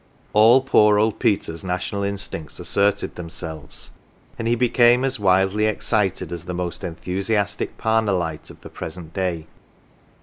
All poor old Peter's national instincts asserted themselves, and he became as wildly excited as the most enthusiastic Parnellite of the present day.